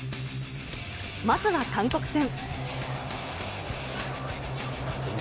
まずは韓国戦。